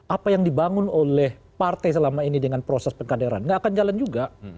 apa yang dibangun oleh partai selama ini dengan proses pengkaderan nggak akan jalan juga